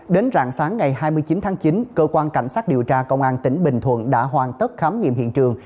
đến rạng sáng ngày hai mươi chín tháng chín cơ quan cảnh sát điều tra công an tỉnh bình thuận đã hoàn tất khám nghiệm hiện trường